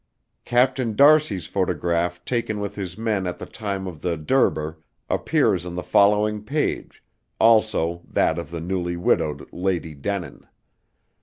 Captain d'Arcy's photograph taken with his men at the time of the Durbar, appears on the following page, also that of the newly widowed Lady Denin.